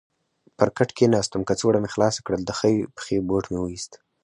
پر کټ کېناستم، کڅوړه مې خلاصه کړل، د ښۍ پښې بوټ مې وایست.